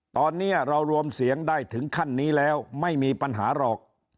ตอนนี้เรารวมเสียงได้ถึงขั้นนี้แล้วไม่มีปัญหาหรอก